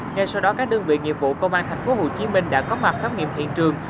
ngay sau đó các đơn vị nghiệp vụ công an tp hcm đã có mặt khám nghiệm hiện trường